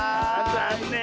ざんねん。